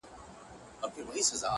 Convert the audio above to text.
پاڅه چي ځو ترې ، ه ياره،